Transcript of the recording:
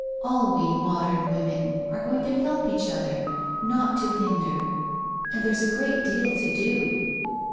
All we modern women are going to help each other, not to hinder. And there's a great deal to do